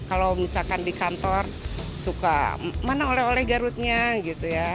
kalau misalkan di kantor suka mana oleh oleh garutnya gitu ya